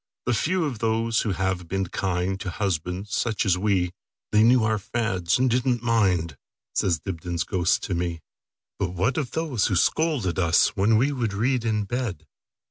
The few are those who have been kindTo husbands such as we; They knew our fads, and did n't mind,"Says Dibdin's ghost to me."But what of those who scold at usWhen we would read in bed?